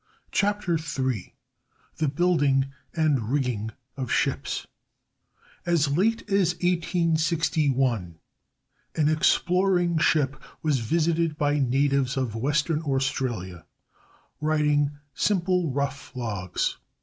CHAPTER III THE BUILDING AND RIGGING OF SHIPS As late as 1861 an exploring ship was visited by natives of Western Australia, riding simple rough logs.